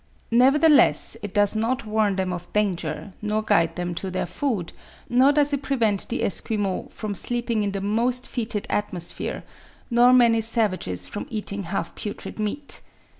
Nevertheless it does not warn them of danger, nor guide them to their food; nor does it prevent the Esquimaux from sleeping in the most fetid atmosphere, nor many savages from eating half putrid meat.